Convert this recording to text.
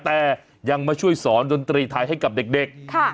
แต่ยังมาช่วยสอนดนตรีไทยให้กับเด็ก